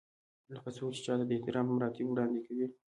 لکه څوک چې چاته د احترام مراتب وړاندې کوي.